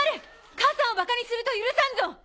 母さんをばかにすると許さんぞ！